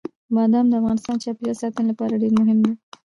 بادام د افغانستان د چاپیریال ساتنې لپاره ډېر مهم دي.